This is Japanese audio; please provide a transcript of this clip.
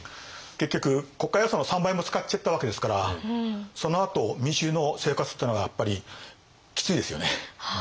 結局国家予算の３倍も使っちゃったわけですからそのあと民衆の生活っていうのがやっぱりきついですよね。